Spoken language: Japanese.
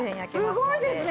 すごいですね。